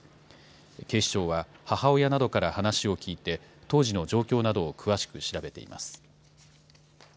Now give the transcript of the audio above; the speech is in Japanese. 警視庁は母親などから話を聴いて、当時の状況などを詳しく調べています。